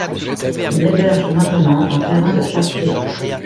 Il héberge maintenant un terrain de chasse privé.